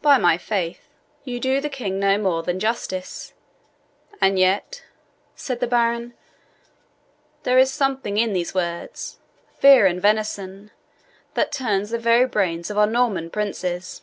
"By my faith, you do the King no more than justice; and yet," said the baron, "there is something in these words, vert and venison, that turns the very brains of our Norman princes."